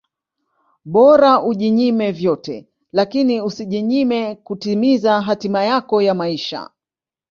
Bora ujinyime vyote lakini usijinyime kutimiza hatima yako ya maisha